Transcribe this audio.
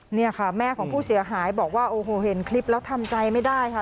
เนี่ยค่ะแม่ของผู้เสียหายบอกว่าโอ้โหเห็นคลิปแล้วทำใจไม่ได้ค่ะ